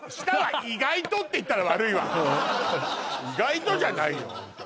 舌は意外とって言ったら悪いわ意外とじゃないよ